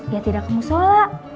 ya tidak kamu sholat